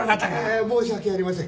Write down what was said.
ええ申し訳ありません。